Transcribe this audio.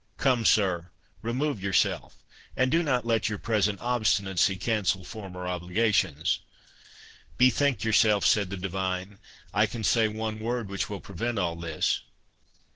—Come, sir, remove yourself, and do not let your present obstinacy cancel former obligations." "Bethink yourself," said the divine,—"I can say one word which will prevent all this."